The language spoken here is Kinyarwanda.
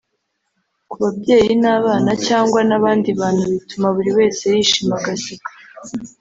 ku babyeyi n’abana cyangwa n’abandi bantu bituma buri wese yishima agaseka